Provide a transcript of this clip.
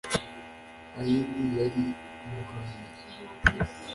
Ayini yari umuhanuzi